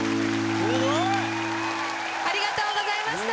すごい！ありがとうございました。